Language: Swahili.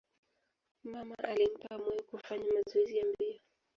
Mama alimpa moyo kufanya mazoezi ya mbio.